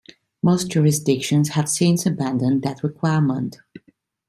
Most jurisdictions have since abandoned that requirement.